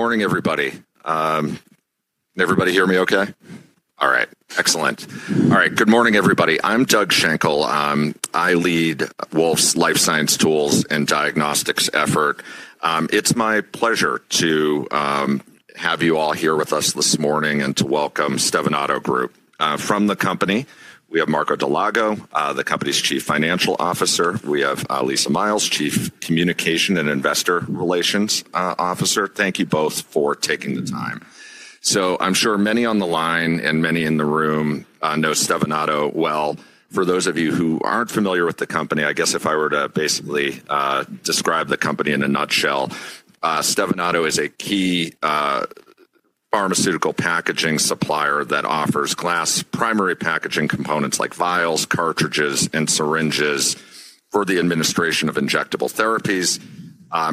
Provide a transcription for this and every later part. Good morning, everybody. Everybody hear me okay? All right, excellent. All right, good morning, everybody. I'm Doug Schenkel. I lead Wolfe's Life Science Tools and Diagnostics effort. It's my pleasure to have you all here with us this morning and to welcome Stevanato Group. From the company, we have Marco Dal Lago, the company's Chief Financial Officer. We have Lisa Miles, Chief Communication and Investor Relations Officer. Thank you both for taking the time. I am sure many on the line and many in the room know Stevanato well. For those of you who aren't familiar with the company, I guess if I were to basically describe the company in a nutshell, Stevanato is a key pharmaceutical packaging supplier that offers glass primary packaging components like vials, cartridges, and syringes for the administration of injectable therapies,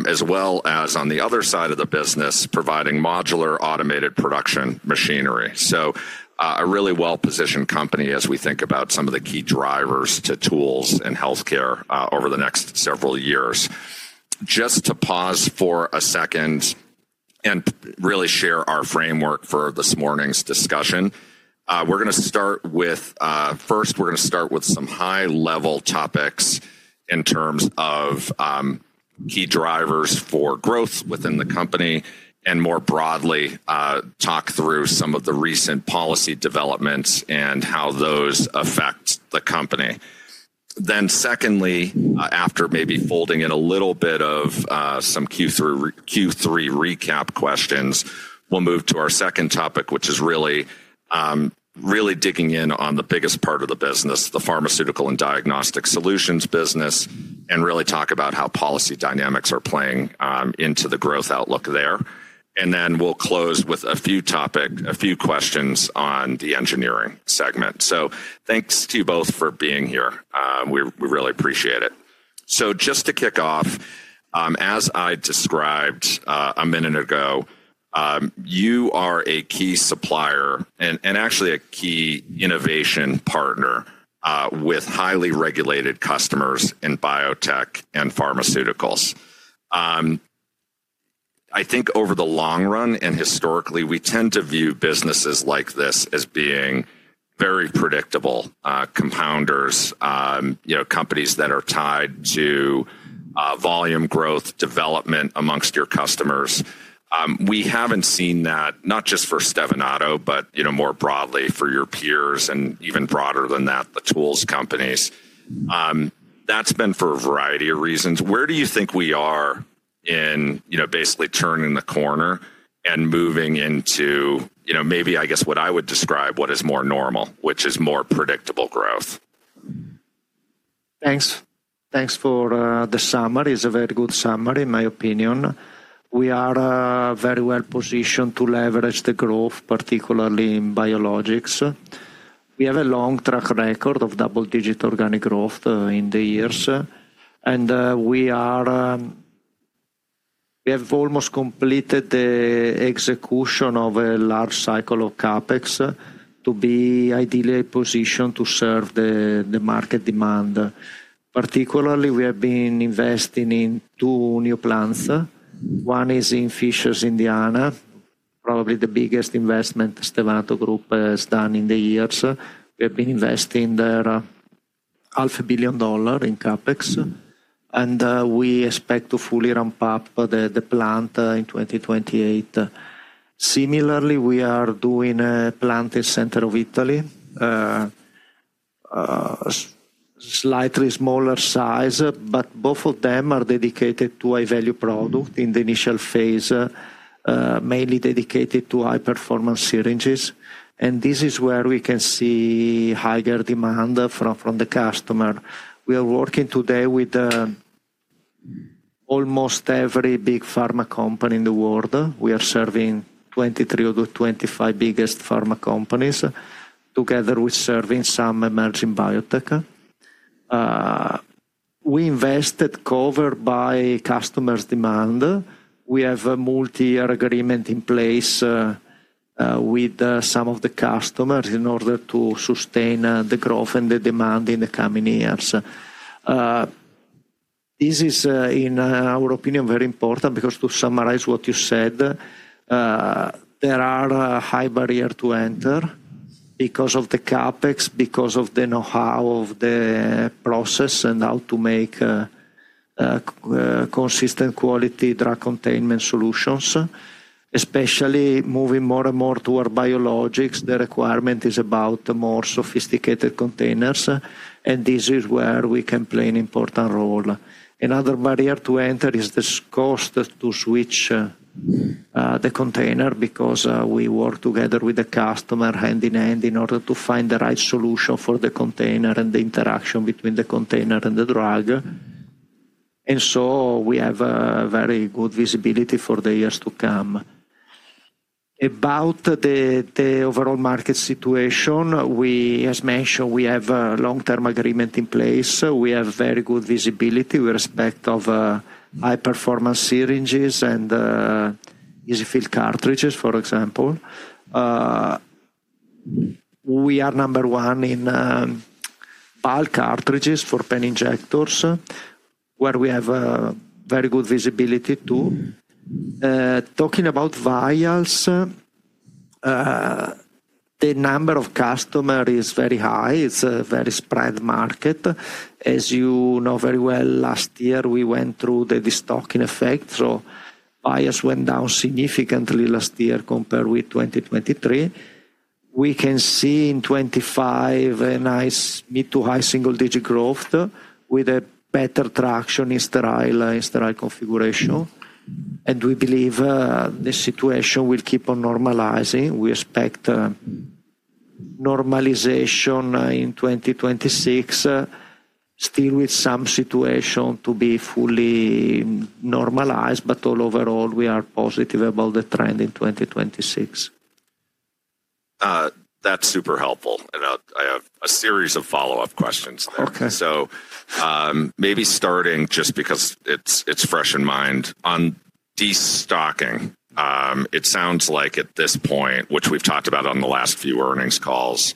as well as, on the other side of the business, providing modular automated production machinery. A really well-positioned company as we think about some of the key drivers to tools in healthcare over the next several years. Just to pause for a second and really share our framework for this morning's discussion, we're gonna start with, first, we're gonna start with some high-level topics in terms of key drivers for growth within the company and more broadly, talk through some of the recent policy developments and how those affect the company. Secondly, after maybe folding in a little bit of some Q3 recap questions, we'll move to our second topic, which is really, really digging in on the biggest part of the business, the Pharmaceutical and Diagnostic Solutions business, and really talk about how policy dynamics are playing into the growth outlook there. We'll close with a few questions on the Engineering segment. Thanks to you both for being here. We really appreciate it. Just to kick off, as I described a minute ago, you are a key supplier and actually a key innovation partner with highly regulated customers in biotech and pharmaceuticals. I think over the long run and historically, we tend to view businesses like this as being very predictable, compounders, you know, companies that are tied to volume growth development amongst your customers. We have not seen that, not just for Stevanato, but, you know, more broadly for your peers and even broader than that, the tools companies. That has been for a variety of reasons. Where do you think we are in, you know, basically turning the corner and moving into, you know, maybe I guess what I would describe as what is more normal, which is more predictable growth? Thanks. Thanks for the summary. It's a very good summary, in my opinion. We are very well positioned to leverage the growth, particularly in biologics. We have a long track record of double-digit organic growth in the years, and we have almost completed the execution of a large cycle of CapEx to be ideally positioned to serve the market demand. Particularly, we have been investing in two new plants. One is in Fishers, Indiana, probably the biggest investment Stevanato Group has done in the years. We have been investing there, $500 million in CapEx, and we expect to fully ramp up the plant in 2028. Similarly, we are doing a plant in the center of Italy, slightly smaller size, but both of them are dedicated to a value product in the initial phase, mainly dedicated to high-performance syringes. This is where we can see higher demand from the customer. We are working today with almost every big pharma company in the world. We are serving 23 of the 25 biggest pharma companies together with serving some emerging biotech. We invested, covered by customers' demand. We have a multi-year agreement in place with some of the customers in order to sustain the growth and the demand in the coming years. This is, in our opinion, very important because to summarize what you said, there is a high barrier to enter because of the CapEx, because of the know-how of the process and how to make consistent quality drug containment solutions, especially moving more and more toward biologics. The requirement is about more sophisticated containers, and this is where we can play an important role. Another barrier to enter is this cost to switch, the container because we work together with the customer hand in hand in order to find the right solution for the container and the interaction between the container and the drug. We have a very good visibility for the years to come. About the overall market situation, we, as mentioned, we have a long-term agreement in place. We have very good visibility with respect of high-performance syringes and easy-fill cartridges, for example. We are number one in bulk cartridges for pen injectors, where we have a very good visibility too. Talking about vials, the number of customers is very high. It's a very spread market. As you know very well, last year we went through the destocking effect, so vials went down significantly last year compared with 2023. We can see in 2025 a nice mid to high single-digit growth with a better traction in sterile, in sterile configuration. We believe the situation will keep on normalizing. We expect normalization in 2026, still with some situation to be fully normalized, but overall we are positive about the trend in 2026. That's super helpful. I have a series of follow-up questions there. Okay. Maybe starting just because it's fresh in mind on destocking, it sounds like at this point, which we've talked about on the last few earnings calls,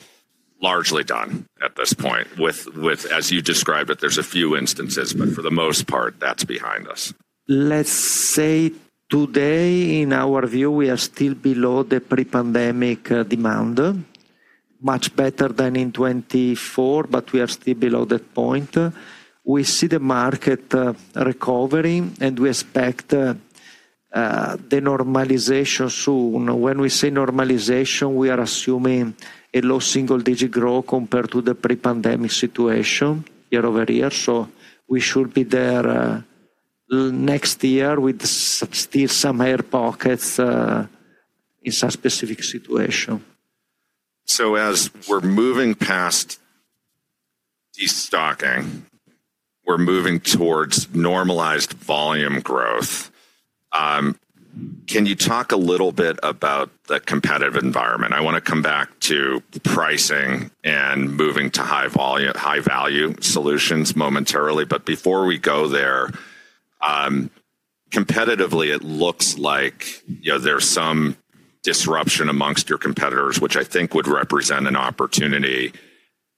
largely done at this point with, as you described it, there's a few instances, but for the most part, that's behind us. Let's say today, in our view, we are still below the pre-pandemic demand, much better than in 2024, but we are still below that point. We see the market recovering, and we expect the normalization soon. When we say normalization, we are assuming a low single-digit growth compared to the pre-pandemic situation year over year. We should be there next year with still some air pockets in some specific situation. As we're moving past destocking, we're moving towards normalized volume growth. Can you talk a little bit about the competitive environment? I want to come back to pricing and moving to high volume, high-value solutions momentarily. Before we go there, competitively, it looks like, you know, there's some disruption amongst your competitors, which I think would represent an opportunity.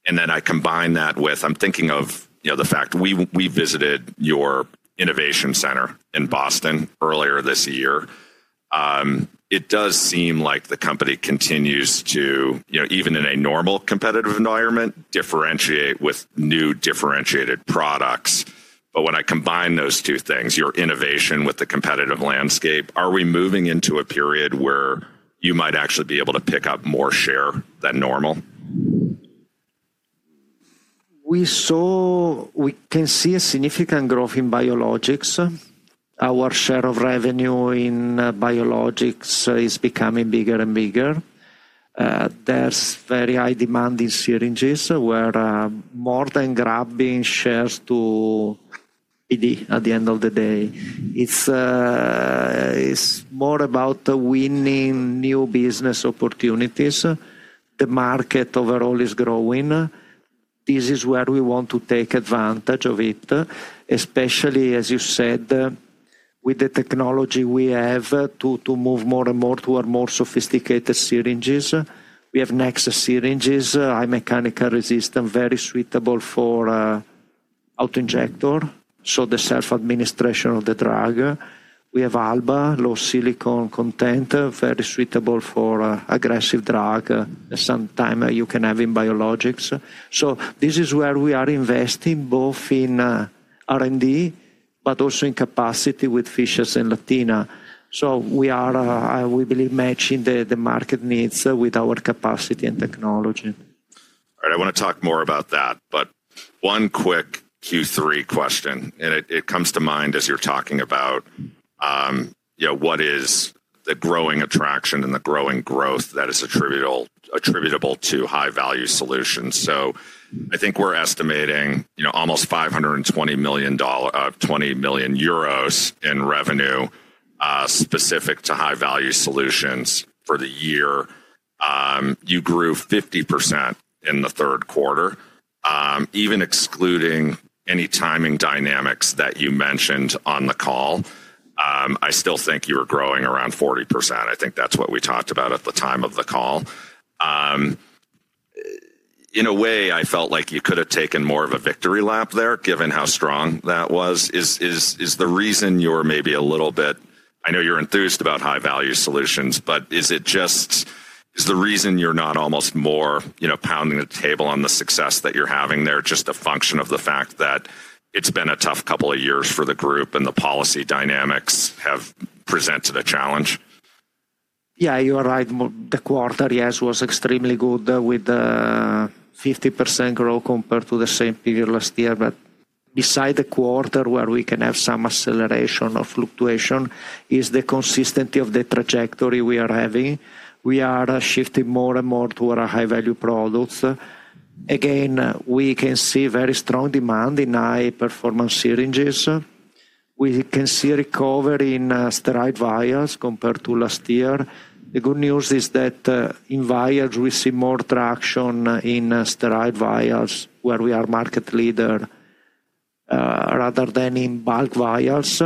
I combine that with, I'm thinking of, you know, the fact we visited your innovation center in Boston earlier this year. It does seem like the company continues to, you know, even in a normal competitive environment, differentiate with new differentiated products. When I combine those two things, your innovation with the competitive landscape, are we moving into a period where you might actually be able to pick up more share than normal? We saw, we can see a significant growth in biologics. Our share of revenue in biologics is becoming bigger and bigger. There's very high demand in syringes where, more than grabbing shares to PD at the end of the day. It's more about winning new business opportunities. The market overall is growing. This is where we want to take advantage of it, especially, as you said, with the technology we have to move more and more toward more sophisticated syringes. We have Nexa syringes, high mechanical resistance, very suitable for auto injector. So the self-administration of the drug. We have Alba, low silicon content, very suitable for aggressive drug. Sometimes you can have in biologics. This is where we are investing both in R&D, but also in capacity with Fishers and Latina. We believe matching the market needs with our capacity and technology. All right, I wanna talk more about that, but one quick Q3 question, and it comes to mind as you're talking about, you know, what is the growing attraction and the growing growth that is attributable, attributable to high-value solutions? So I think we're estimating, you know, almost 520 million in revenue, specific to high-value solutions for the year. You grew 50% in the third quarter. Even excluding any timing dynamics that you mentioned on the call, I still think you were growing around 40%. I think that's what we talked about at the time of the call. In a way, I felt like you could have taken more of a victory lap there given how strong that was. Is the reason you're maybe a little bit, I know you're enthused about high-value solutions, but is it just, is the reason you're not almost more, you know, pounding the table on the success that you're having there just a function of the fact that it's been a tough couple of years for the group and the policy dynamics have presented a challenge? Yeah, you are right. The quarter, yes, was extremely good with 50% growth compared to the same period last year. Beside the quarter where we can have some acceleration or fluctuation, the consistency of the trajectory we are having is important. We are shifting more and more toward our high-value products. Again, we can see very strong demand in high-performance syringes. We can see recovery in sterile vials compared to last year. The good news is that in vials, we see more traction in sterile vials where we are market leader, rather than in bulk vials.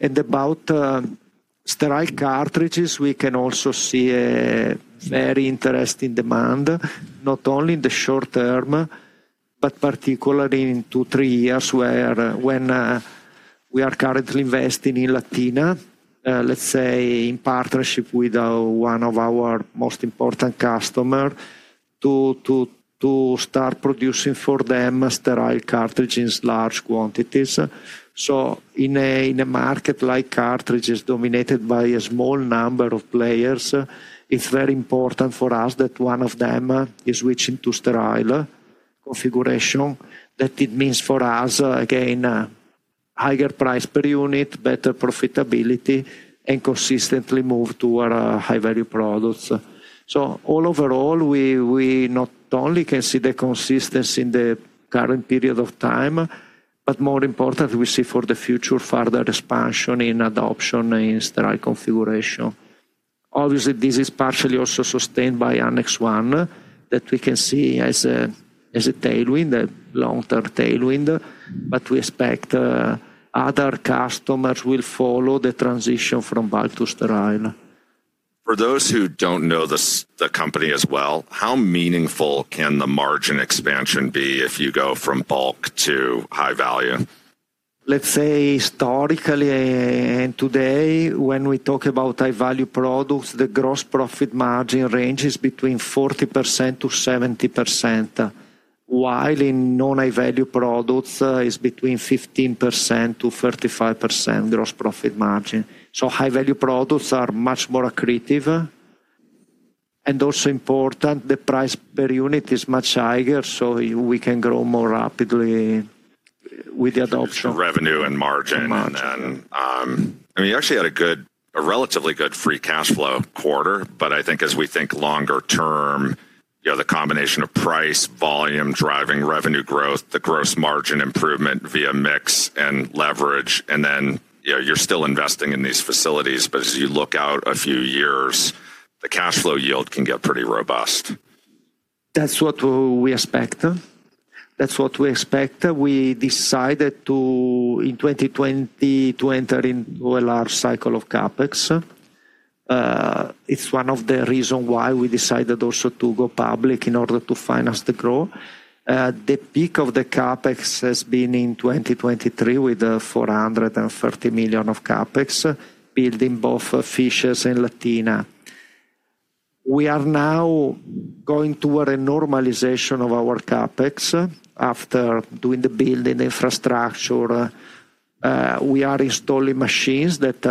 About sterile cartridges, we can also see a very interesting demand, not only in the short term, but particularly in two or three years when we are currently investing in Latina, let's say in partnership with one of our most important customers to start producing for them sterile cartridges in large quantities. In a market like cartridges dominated by a small number of players, it's very important for us that one of them is switching to sterile configuration. That means for us, again, higher price per unit, better profitability, and consistently move toward high-value products. Overall, we not only can see the consistency in the current period of time, but more importantly, we see for the future further expansion in adoption in sterile configuration. Obviously, this is partially also sustained by Annex One that we can see as a, as a tailwind, a long-term tailwind, but we expect other customers will follow the transition from bulk to sterile. For those who don't know the company as well, how meaningful can the margin expansion be if you go from bulk to high-value? Let's say historically, and today when we talk about high-value products, the gross profit margin range is between 40%-70%, while in non-high-value products it's between 15%-35% gross profit margin. High-value products are much more accretive. Also important, the price per unit is much higher, so we can grow more rapidly with the adoption. Revenue and margin. Margin. I mean, you actually had a good, a relatively good free cash flow quarter, but I think as we think longer term, you know, the combination of price, volume, driving revenue growth, the gross margin improvement via mix and leverage, and then, you know, you're still investing in these facilities, but as you look out a few years, the cash flow yield can get pretty robust. That's what we expect. We decided in 2020 to enter into a large cycle of CapEx. It's one of the reasons why we decided also to go public in order to finance the growth. The peak of the CapEx has been in 2023 with $430 million of CapEx, building both Fishers and Latina. We are now going toward a normalization of our CapEx after doing the building infrastructure. We are installing machines that,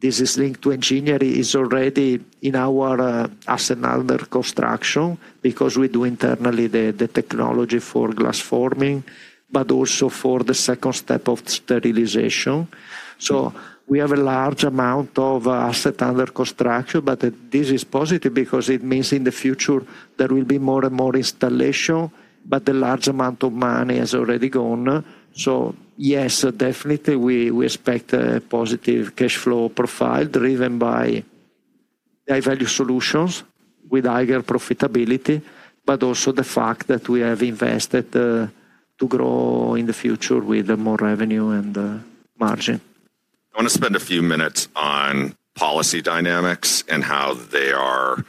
this is linked to engineering, is already in our asset under construction because we do internally the technology for glass forming, but also for the second step of sterilization. We have a large amount of asset under construction, but this is positive because it means in the future there will be more and more installation, but the large amount of money has already gone. Yes, definitely we expect a positive cash flow profile driven by high-value solutions with higher profitability, but also the fact that we have invested to grow in the future with more revenue and margin. I wanna spend a few minutes on policy dynamics and how they are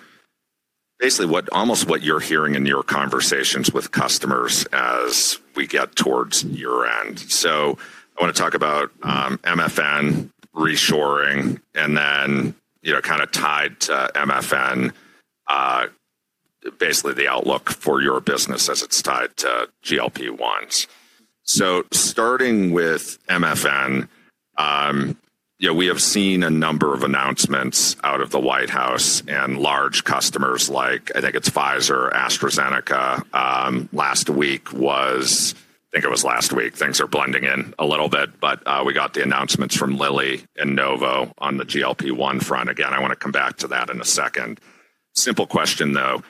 basically what, almost what you're hearing in your conversations with customers as we get towards year end. I wanna talk about MFN reshoring and then, you know, kind of tied to MFN, basically the outlook for your business as it's tied to GLP-1s. Starting with MFN, you know, we have seen a number of announcements out of the White House and large customers like, I think it's Pfizer, AstraZeneca, last week was, I think it was last week, things are blending in a little bit, but we got the announcements from Lilly and Novo on the GLP-1 front. Again, I wanna come back to that in a second. Simple question though,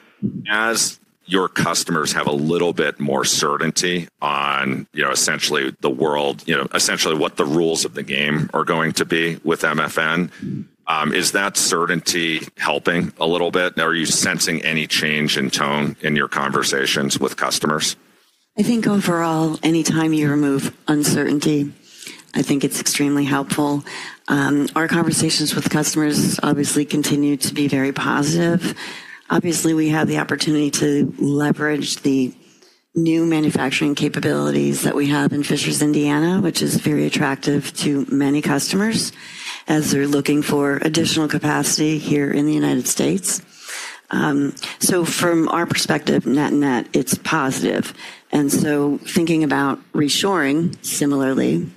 as your customers have a little bit more certainty on, you know, essentially the world, you know, essentially what the rules of the game are going to be with MFN, is that certainty helping a little bit? Are you sensing any change in tone in your conversations with customers? I think overall, anytime you remove uncertainty, I think it's extremely helpful. Our conversations with customers obviously continue to be very positive. Obviously, we have the opportunity to leverage the new manufacturing capabilities that we have in Fishers, Indiana, which is very attractive to many customers as they're looking for additional capacity here in the United States. From our perspective, net-net, it's positive. Thinking about reshoring similarly,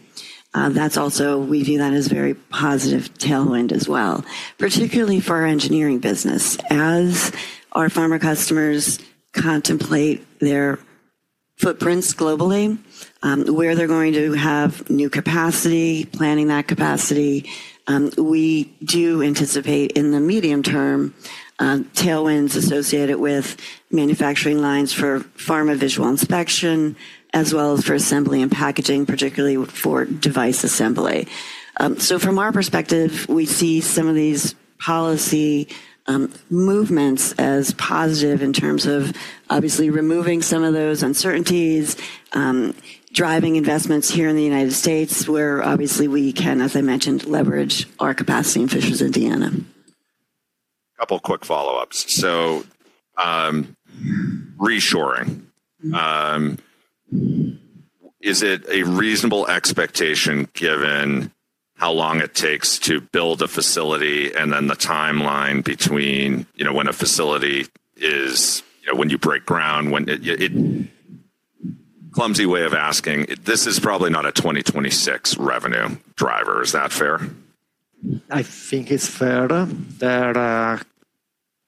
we view that as a very positive tailwind as well, particularly for our engineering business. As our pharma customers contemplate their footprints globally, where they're going to have new capacity, planning that capacity, we do anticipate in the medium term, tailwinds associated with manufacturing lines for pharma visual inspection as well as for assembly and packaging, particularly for device assembly. From our perspective, we see some of these policy movements as positive in terms of obviously removing some of those uncertainties, driving investments here in the United States where obviously we can, as I mentioned, leverage our capacity in Fishers, Indiana. Couple of quick follow-ups. Reshoring, is it a reasonable expectation given how long it takes to build a facility and then the timeline between, you know, when a facility is, you know, when you break ground, when it, clumsy way of asking, this is probably not a 2026 revenue driver. Is that fair? I think it's fair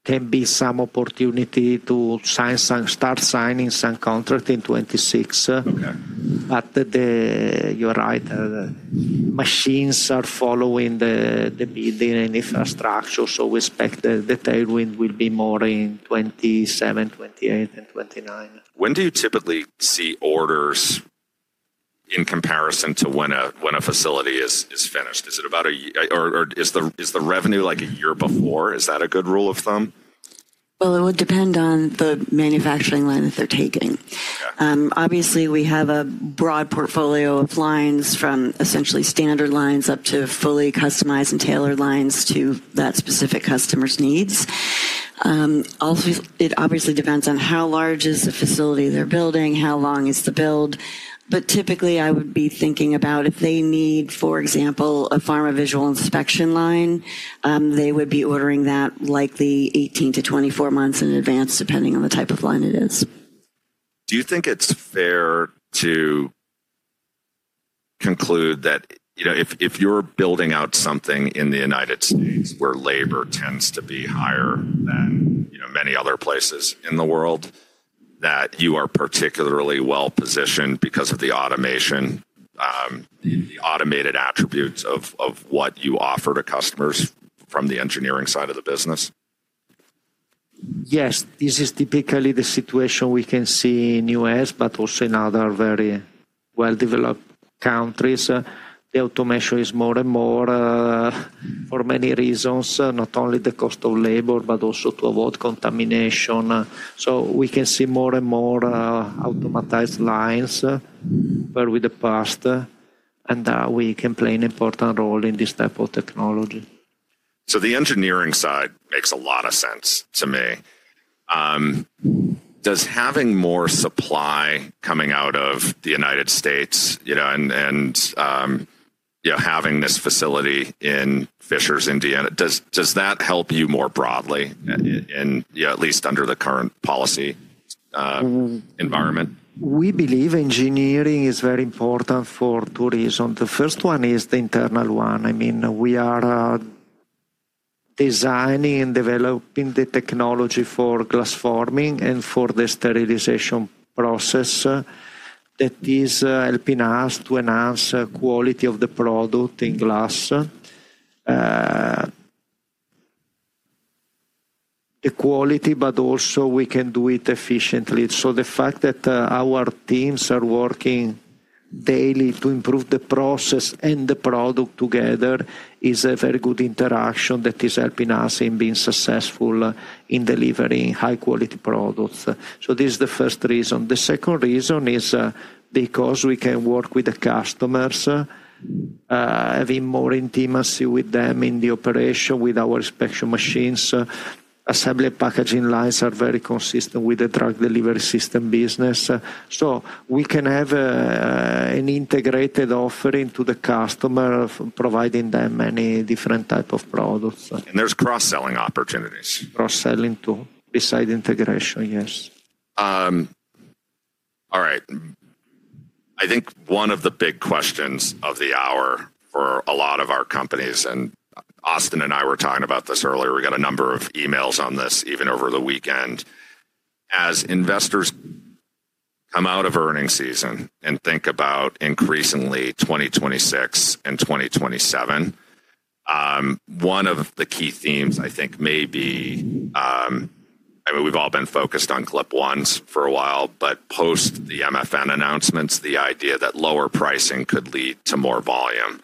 there can be some opportunity to sign some, start signing some contract in 2026. Okay. You are right, machines are following the building and infrastructure. We expect the tailwind will be more in 2027, 2028, and 2029. When do you typically see orders in comparison to when a facility is finished? Is it about a year, or is the revenue like a year before? Is that a good rule of thumb? It would depend on the manufacturing line that they're taking. Okay. Obviously we have a broad portfolio of lines from essentially standard lines up to fully customized and tailored lines to that specific customer's needs. Obviously it depends on how large is the facility they're building, how long is the build. Typically I would be thinking about if they need, for example, a pharma visual inspection line, they would be ordering that likely 18-24 months in advance depending on the type of line it is. Do you think it's fair to conclude that, you know, if you're building out something in the United States where labor tends to be higher than, you know, many other places in the world, that you are particularly well positioned because of the automation, the automated attributes of what you offer to customers from the engineering side of the business? Yes, this is typically the situation we can see in the U.S., but also in other very well-developed countries. The automation is more and more, for many reasons, not only the cost of labor, but also to avoid contamination. We can see more and more automatized lines where, with the past, and we can play an important role in this type of technology. The engineering side makes a lot of sense to me. Does having more supply coming out of the United States, you know, and, you know, having this facility in Fishers, Indiana, does that help you more broadly in, you know, at least under the current policy environment? We believe engineering is very important for two reasons. The first one is the internal one. I mean, we are designing and developing the technology for glass forming and for the sterilization process that is helping us to enhance the quality of the product in glass, the quality, but also we can do it efficiently. The fact that our teams are working daily to improve the process and the product together is a very good interaction that is helping us in being successful in delivering high-quality products. This is the first reason. The second reason is because we can work with the customers, having more intimacy with them in the operation with our inspection machines. Assembly packaging lines are very consistent with the drug delivery system business. We can have an integrated offering to the customer providing them many different types of products. There are cross-selling opportunities. Cross-selling too, besides integration, yes. All right. I think one of the big questions of the hour for a lot of our companies, and Austin and I were talking about this earlier, we got a number of emails on this even over the weekend. As investors come out of earning season and think about increasingly 2026 and 2027, one of the key themes I think may be, I mean, we've all been focused on GLP-1s for a while, but post the MFN announcements, the idea that lower pricing could lead to more volume.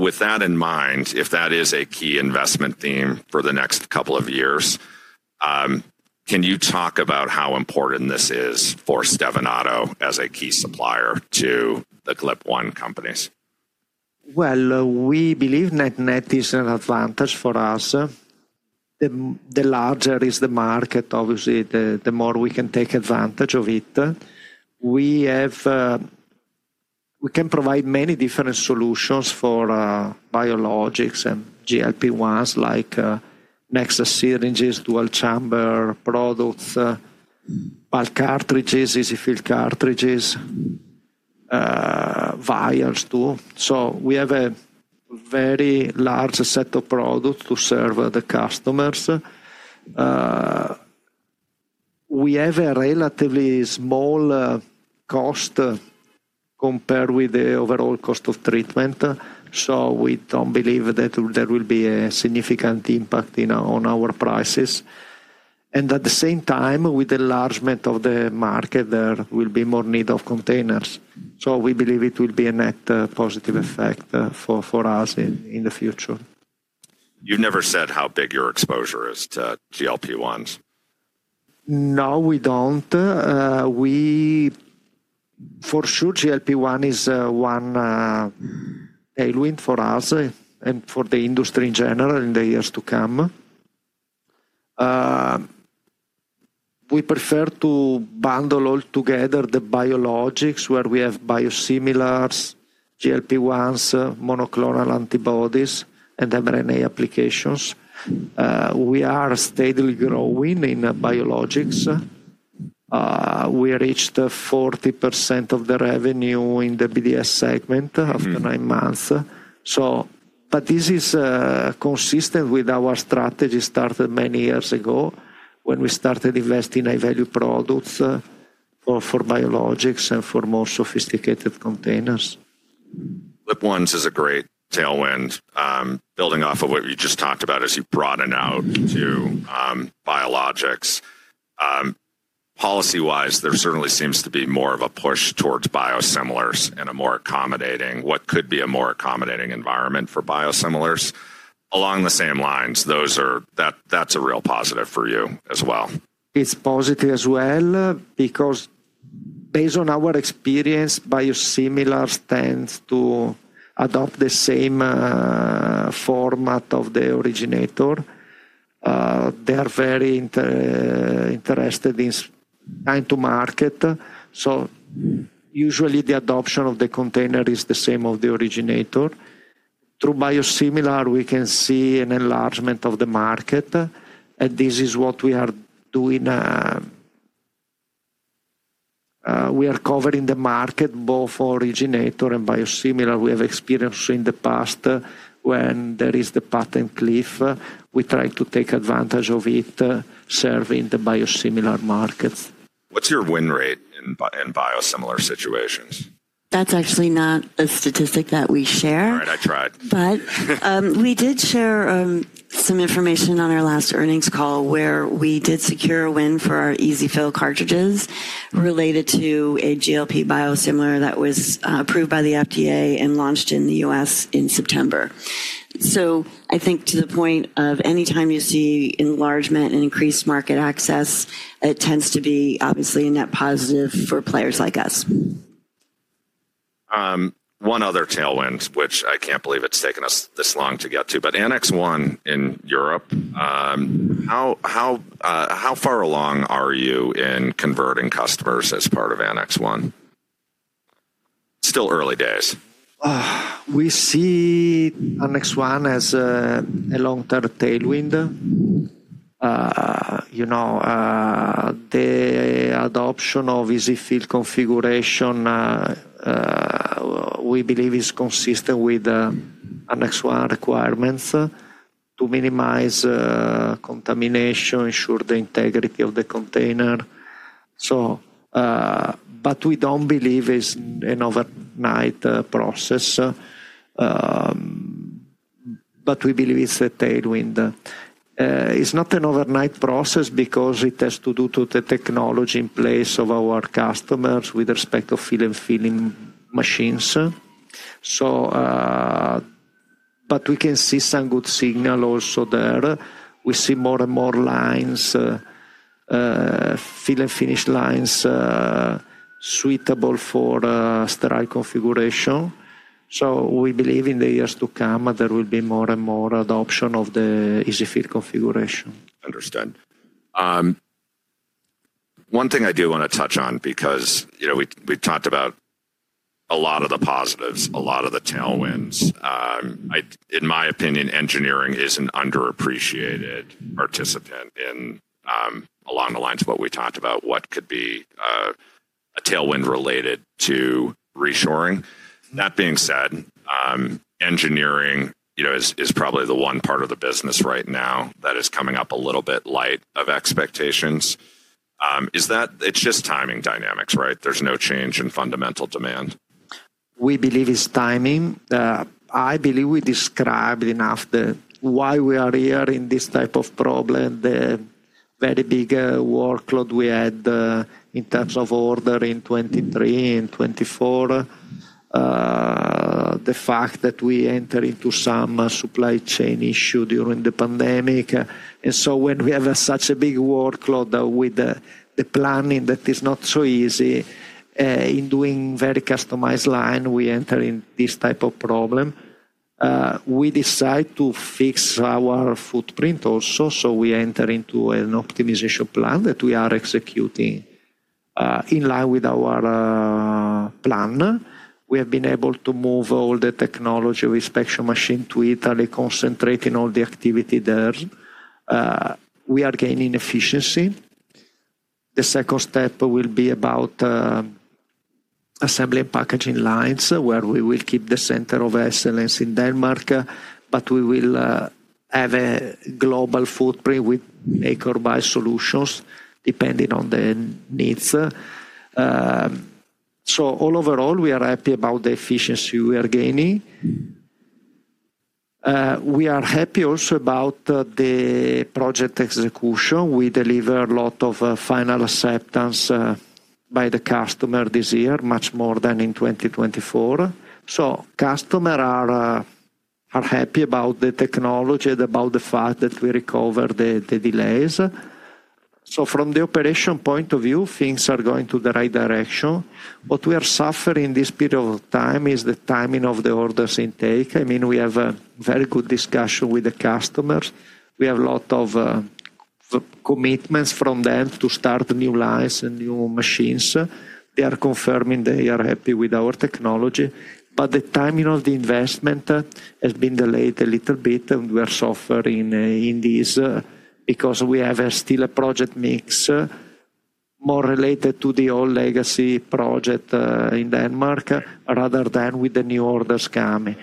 With that in mind, if that is a key investment theme for the next couple of years, can you talk about how important this is for Stevanato as a key supplier to the GLP-1 companies? We believe net-net is an advantage for us. The larger is the market, obviously, the more we can take advantage of it. We can provide many different solutions for biologics and GLP-1s like Nexa syringes, dual chamber products, bulk cartridges, easy fill cartridges, vials too. We have a very large set of products to serve the customers. We have a relatively small cost compared with the overall cost of treatment. We do not believe that there will be a significant impact on our prices. At the same time, with the enlargement of the market, there will be more need of containers. We believe it will be a net positive effect for us in the future. You've never said how big your exposure is to GLP-1s. No, we don't. We for sure GLP-1 is, one, tailwind for us and for the industry in general in the years to come. We prefer to bundle all together the biologics where we have biosimilars, GLP-1s, monoclonal antibodies, and mRNA applications. We are steadily growing in biologics. We reached 40% of the revenue in the BDS segment after nine months. This is consistent with our strategy started many years ago when we started investing in high-value products for biologics and for more sophisticated containers. GLP-1s is a great tailwind. Building off of what you just talked about as you broaden out to biologics. Policy-wise, there certainly seems to be more of a push towards biosimilars and a more accommodating, what could be a more accommodating environment for biosimilars. Along the same lines, those are, that, that's a real positive for you as well. It's positive as well because based on our experience, biosimilars tend to adopt the same format of the originator. They're very interested in time to market. Usually the adoption of the container is the same as the originator. Through biosimilar, we can see an enlargement of the market. This is what we are doing. We are covering the market, both originator and biosimilar. We have experience in the past when there is the patent cliff, we try to take advantage of it, serving the biosimilar markets. What's your win rate in, in biosimilar situations? That's actually not a statistic that we share. All right, I tried. We did share some information on our last earnings call where we did secure a win for our easy fill cartridges related to a GLP biosimilar that was approved by the FDA and launched in the U.S. in September. I think to the point of anytime you see enlargement and increased market access, it tends to be obviously a net positive for players like us. One other tailwind, which I can't believe it's taken us this long to get to, but Annex One in Europe, how far along are you in converting customers as part of Annex One? Still early days. We see Annex One as a long-term tailwind. You know, the adoption of easy fill configuration, we believe, is consistent with Annex One requirements to minimize contamination, ensure the integrity of the container. We do not believe it is an overnight process, but we believe it is a tailwind. It is not an overnight process because it has to do with the technology in place of our customers with respect to fill and filling machines. We can see some good signal also there. We see more and more lines, fill and finish lines, suitable for sterile configuration. We believe in the years to come there will be more and more adoption of the easy fill configuration. Understood. One thing I do wanna touch on because, you know, we've talked about a lot of the positives, a lot of the tailwinds. I, in my opinion, engineering is an underappreciated participant in, along the lines of what we talked about, what could be a tailwind related to reshoring. That being said, engineering, you know, is probably the one part of the business right now that is coming up a little bit light of expectations. Is that, it's just timing dynamics, right? There's no change in fundamental demand. We believe it's timing. I believe we described enough the why we are here in this type of problem, the very big workload we had, in terms of order in 2023 and 2024, the fact that we entered into some supply chain issue during the pandemic. When we have such a big workload with the planning that is not so easy, in doing very customized line, we enter in this type of problem. We decide to fix our footprint also. We enter into an optimization plan that we are executing, in line with our plan. We have been able to move all the technology with inspection machine to Italy, concentrating all the activity there. We are gaining efficiency. The second step will be about assembly and packaging lines where we will keep the center of excellence in Denmark, but we will have a global footprint with acre by solutions depending on the needs. Overall, we are happy about the efficiency we are gaining. We are happy also about the project execution. We deliver a lot of final acceptance by the customer this year, much more than in 2024. Customers are happy about the technology and about the fact that we recover the delays. From the operation point of view, things are going in the right direction. What we are suffering in this period of time is the timing of the orders intake. I mean, we have a very good discussion with the customers. We have a lot of commitments from them to start new lines and new machines. They are confirming they are happy with our technology, but the timing of the investment has been delayed a little bit, and we are suffering in this, because we have still a project mix more related to the old legacy project in Denmark rather than with the new orders coming.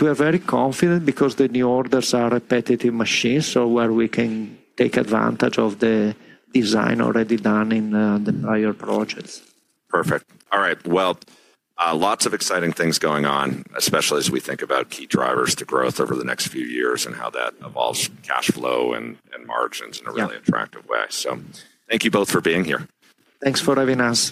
We are very confident because the new orders are repetitive machines, so where we can take advantage of the design already done in the prior projects. Perfect. All right. Lots of exciting things going on, especially as we think about key drivers to growth over the next few years and how that evolves cash flow and margins in a really attractive way. Thank you both for being here. Thanks for having us.